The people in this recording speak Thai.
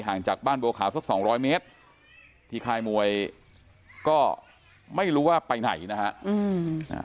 จากบ้านบัวขาวสักสองร้อยเมตรที่ค่ายมวยก็ไม่รู้ว่าไปไหนนะฮะอืมอ่า